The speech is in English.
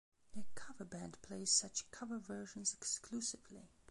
A cover band plays such "cover versions" exclusively.